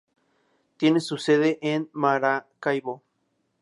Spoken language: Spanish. Tiene su sede en Maracaibo.